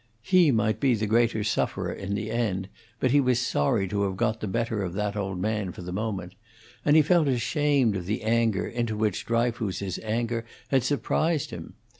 He might be the greater sufferer in the end, but he was sorry to have got the better of that old man for the moment; and he felt ashamed of the anger into which Dryfoos's anger had surprised him.